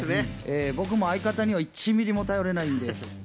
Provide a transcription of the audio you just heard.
僕も相方には１ミリも頼れないんで。